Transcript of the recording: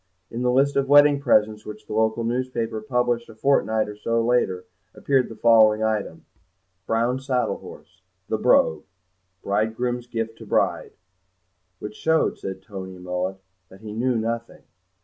In the list of wedding presents which the local newspaper published a fortnight or so later appeared the following item: "Brown saddle horse, 'The Brogue,' bridegroom's gift to bride." "Which shows," said Toby Mullet, "that he knew nothing."